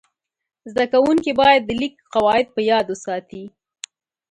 زده کوونکي باید د لیک قواعد په یاد وساتي.